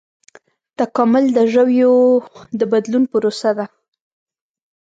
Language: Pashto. تکامل د ژویو د بدلون پروسه ده